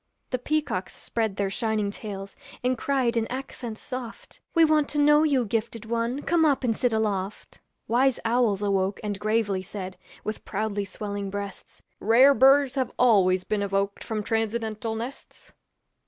The peacocks spread their shining tails, And cried in accents soft, 'We want to know you, gifted one, Come up and sit aloft.' Wise owls awoke and gravely said, With proudly swelling breasts, 'Rare birds have always been evoked From transcendental nests!'